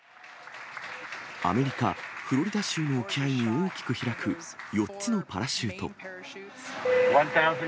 アメリカ・フロリダ州沖合に大きく開く４つのパラシュート。